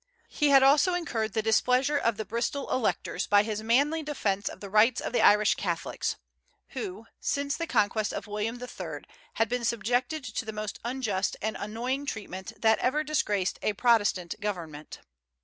He had also incurred the displeasure of the Bristol electors by his manly defence of the rights of the Irish Catholics, who since the conquest of William III. had been subjected to the most unjust and annoying treatment that ever disgraced a Protestant government.